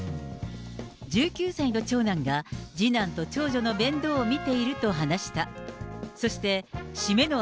１９歳の長男が、次男と長女の面倒を見ていると話した。